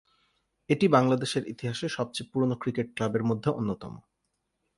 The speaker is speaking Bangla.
এটি বাংলাদেশের ইতিহাসে সবচেয়ে পুরোনো ক্রিকেট ক্লাবের মধ্যে অন্যতম।